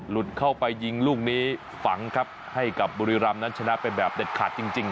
เข้าไปยิงลูกนี้ฝังครับให้กับบุรีรำนั้นชนะไปแบบเด็ดขาดจริง